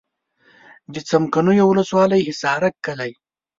د څمکنیو ولسوالي حصارک کلی.